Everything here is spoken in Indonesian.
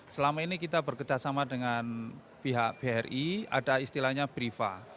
selama ini kita bekerjasama dengan pihak briva